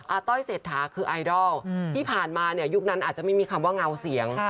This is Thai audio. ต้อยเศรษฐาคือไอดอลที่ผ่านมาเนี่ยยุคนั้นอาจจะไม่มีคำว่าเงาเสียง